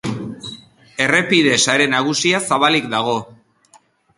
Errepide sare nagusia zabalik dago.